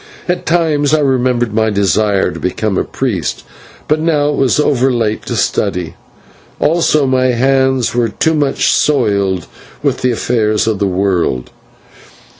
At times I remembered my desire to become a priest, but now it was over late to study; also my hands were too much soiled with the affairs of the world.